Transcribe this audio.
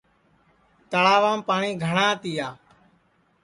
تݪاوام پاٹؔی گھٹؔا تِیا